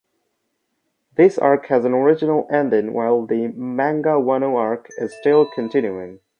This arc has an original ending while the manga Wano arc is still continuing.